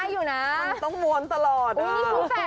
มันต้องมวนตลอดอ่ะ